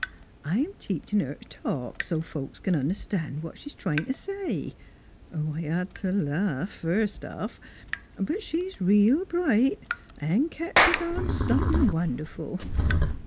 I'm teachin' her t' talk, so 's folks c'n under stan' what she's tryin' t' say ... I had t' laugh, first off. But she's reel bright 'n' ketches on somethin' wonderful.